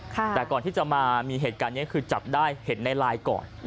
แต่ก่อนที่จะมามีเหตุการณ์นี้คือจับได้เห็นในไลน์ก่อน